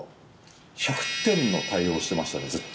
１００点の対応してましたね、ずっと。